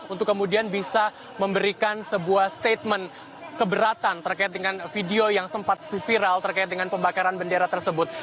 untuk kemudian bisa memberikan sebuah statement keberatan terkait dengan video yang sempat viral terkait dengan pembakaran bendera tersebut